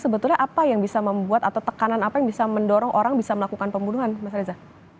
sebetulnya apa yang bisa membuat atau tekanan apa yang bisa mendorong orang bisa melakukan pembunuhan mas reza